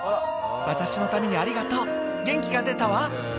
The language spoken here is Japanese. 「私のためにありがとう元気が出たわ」